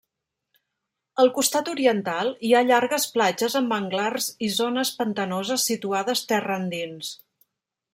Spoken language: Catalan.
Al costat oriental hi ha llargues platges amb manglars i zones pantanoses situades terra endins.